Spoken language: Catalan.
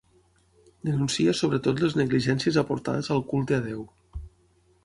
Denuncia sobretot les negligències aportades al culte a Déu.